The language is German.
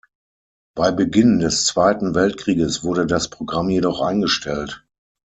Bei Beginn des Zweiten Weltkrieges wurde das Programm jedoch eingestellt.